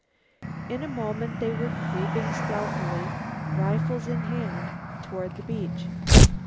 In a moment they were creeping stealthily, rifles in hand, toward the beach.